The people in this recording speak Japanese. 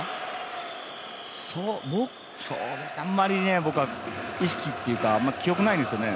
あんまり僕は意識というか記憶ないですよね